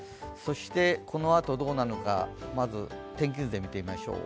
このあとどうなのか、まず天気図で見てみましょう。